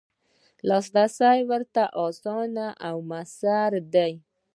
لاسرسی ورته اسانه او میسر دی.